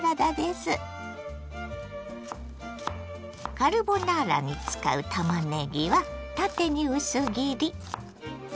カルボナーラに使うたまねぎは縦に薄切り。